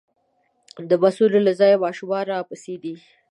د بسونو له ځایه ماشومان راپسې دي.